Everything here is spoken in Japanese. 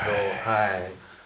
はい。